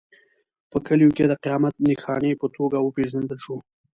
په کلیو کې د قیامت نښانې په توګه وپېژندل شو.